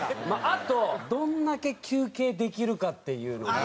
あとどんだけ休憩できるかっていうのが。